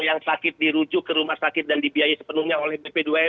yang sakit dirujuk ke rumah sakit dan dibiayai sepenuhnya oleh bp dua r